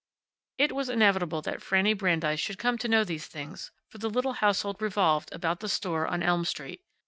It was inevitable that Fanny Brandeis should come to know these things, for the little household revolved about the store on Elm Street.